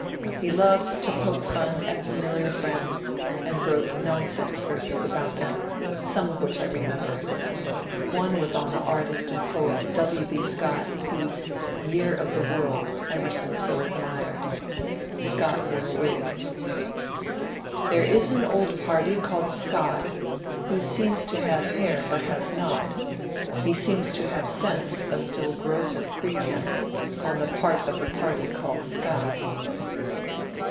He loved to poke fun at familiar friends, and wrote '^ Non sense Verses " about them, some of which I remember. One was on the artist and poet, W. B. Scott, whose ^' Year of the World " Emerson so admired. Scott wore a wig. There is an old party called Scott, Who seems to have hair but has not: He seems to have sense — A still grosser pretense On the part of that party called Scott.